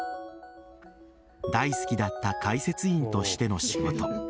大好きだった解説員としての仕事。